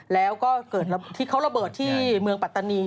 แล้วก็เกิดที่เขาระเบิดที่เมืองปัตตานี